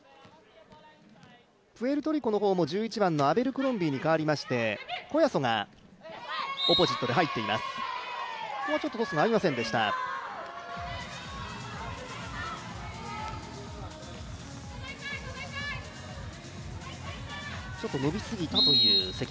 プエルトリコの方も、１１番のアベルクロンビーに代わりましてコヤソがオポジットで入っています。